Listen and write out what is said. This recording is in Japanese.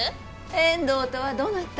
遠藤とはどなた？